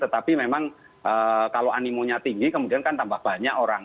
tetapi memang kalau animonya tinggi kemudian kan tambah banyak orang